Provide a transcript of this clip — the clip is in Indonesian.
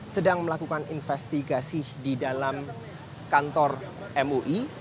sedang melakukan investigasi di dalam kantor mui